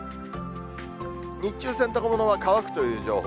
日中、洗濯物は乾くという情報。